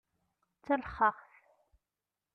D talexxaxt!